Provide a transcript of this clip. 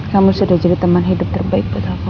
kamu sudah jadi teman hidup terbaik buat aku